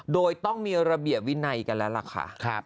โดยต้องมีระเบียบวินัยกันแล้วล่ะค่ะ